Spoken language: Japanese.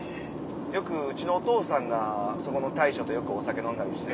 よくうちのお父さんがそこの大将とよくお酒飲んだりして。